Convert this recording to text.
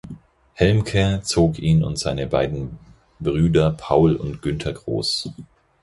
Helmke, zog ihn und seine beiden Brüder Paul und Günther groß.